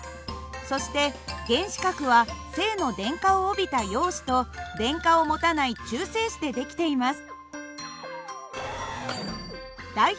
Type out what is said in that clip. そして原子核は正の電荷を帯びた陽子と電荷を持たない中性子で出来ています。